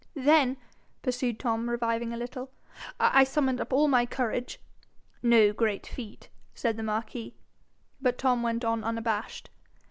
'Then,' pursued Tom, reviving a little, 'I summoned up all my courage ' 'No great feat,' said the marquis. But Tom went on unabashed.